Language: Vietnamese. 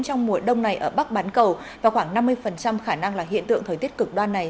trong mùa đông này ở bắc bán cầu và khoảng năm mươi khả năng là hiện tượng thời tiết cực đoan này